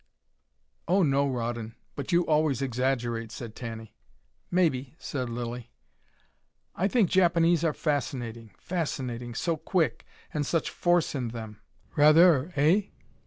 "Oh, no, Rawdon, but you always exaggerate," said Tanny. "Maybe," said Lilly. "I think Japanese are fascinating fascinating so quick, and such FORCE in them " "Rather! eh?"